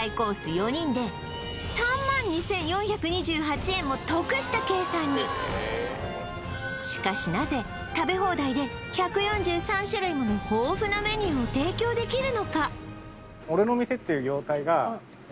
４人で３万２４２８円も得した計算にしかしなぜ食べ放題で１４３種類もの豊富なメニューを提供できるのか？